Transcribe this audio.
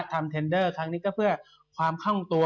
ทำเท็นเดอร์ทางนี้ก็เพื่อความข้องตัว